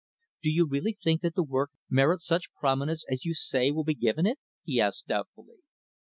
"Do you really think that the work merits such prominence as you say will be given it?" he asked doubtfully.